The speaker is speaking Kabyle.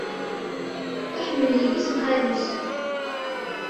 Iḥemmel yelli-s n xali-s.